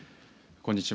こんにちは。